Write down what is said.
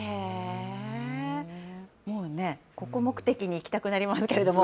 もうね、ここ目的に行きたくなりますけれども。